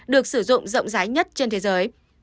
được sử dụng rộng rái nhất trên thế giới